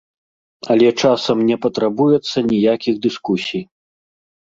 Але часам не патрабуецца ніякіх дыскусій.